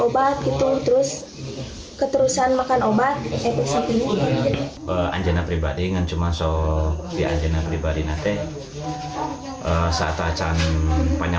bulan rsu d nah dikasih obat itu terus keterusan makan obat e driver